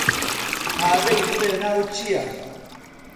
ئادەی بڵێ ناوت چییە؟